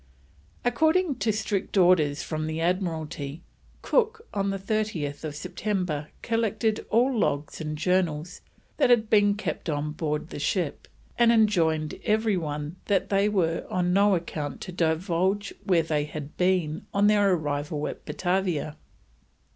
According to strict orders from the Admiralty, Cook on 30th September collected all logs and journals that had been kept on board the ship, and enjoined every one that they were on no account to divulge where they had been on their arrival at Batavia.